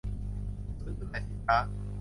ศูนย์จำหน่ายสินค้า